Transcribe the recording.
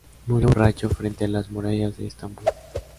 Murió borracho frente a las murallas de Estambul.